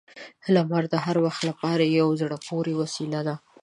• لمر د هر وخت لپاره یو زړه پورې وسیله ده.